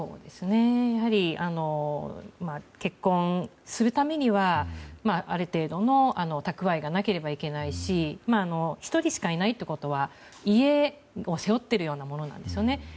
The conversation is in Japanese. やはり結婚するためにはある程度の蓄えがなければいけないし１人しかいないということは家を背負っているようなものなんですね。